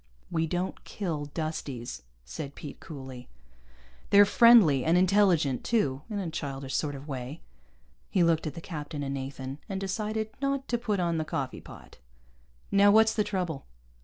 "We don't kill Dusties," said Pete coolly. "They're friendly, and intelligent too, in a childish sort of way." He looked at the captain and Nathan, and decided not to put on the coffee pot. "Now what's the trouble?"